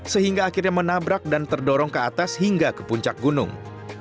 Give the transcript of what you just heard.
sehingga akhirnya menabrak dan terdorong ke atas hingga ke puncak gunung